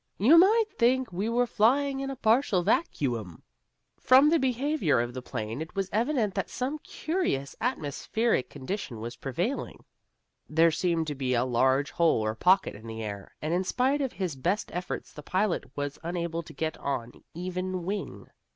You might think we were flying in a partial vacuum." From the behavior of the plane it was evident that some curious atmospheric condition was prevailing. There seemed to be a large hole or pocket in the air, and in spite of his best efforts the pilot was unable to get on even wing.